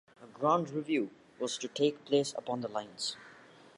A grand review was to take place upon the lines.